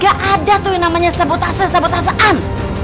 gak ada tuh yang namanya sabutasa sabutasaan